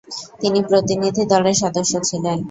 তিনি প্রতিনিধি দলের সদস্য ছিলেন।